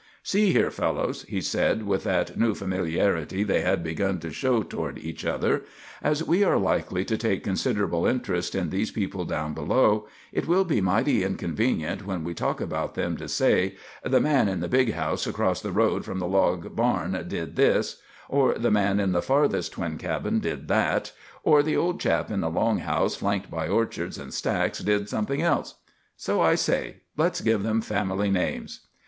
"See here, fellows," he said with that new familiarity they had begun to show toward each other, "as we are likely to take considerable interest in these people down below, it will be mighty inconvenient when we talk about them to say, 'The man in the big house across the road from the log barn did this,' or 'The man in the farthest twin cabin did that,' or 'The old chap in the long house flanked by orchards and stacks did something else'; so I say, let's give them family names."